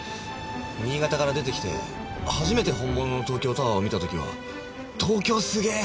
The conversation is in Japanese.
新潟から出てきて初めて本物の東京タワーを見た時は東京すげえ！